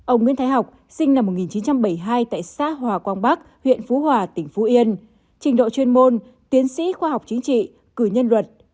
ông nguyễn thái học sinh năm một nghìn chín trăm bảy mươi hai tại xã hòa quang bắc huyện phú hòa tỉnh phú yên trình độ chuyên môn tiến sĩ khoa học chính trị cử nhân luật